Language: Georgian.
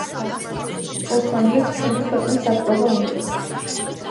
ოსმანლებს ჩვენი ქვეყნის დაბრყობა უნდოდათ